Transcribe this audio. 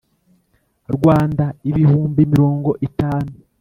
Rwanda ibihumbi mirongo itanu